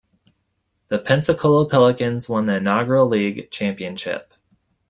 The Pensacola Pelicans won the inaugural league championship.